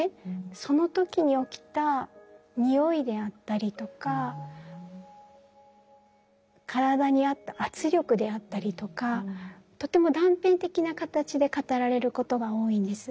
その時に起きたにおいであったりとか体にあった圧力であったりとかとても断片的な形で語られることが多いんです。